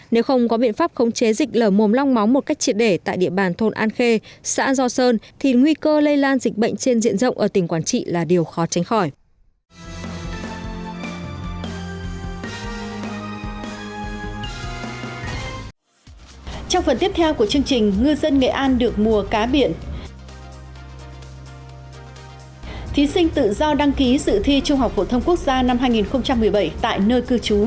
nếu không có biện pháp khống chế dịch lở mồm long móng một cách triệt để tại địa bàn thôn an khê xã do sơn thì nguy cơ lây lan dịch bệnh trên diện rộng ở tỉnh quảng trị là điều khó tránh khỏi